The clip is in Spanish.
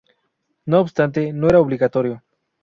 No obstante, no era obligatorio.